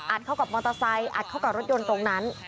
เข้ากับมอเตอร์ไซค์อัดเข้ากับรถยนต์ตรงนั้น